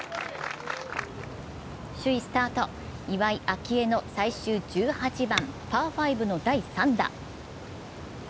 首位スタート、岩井明愛の最終１８番、パー５の第３打。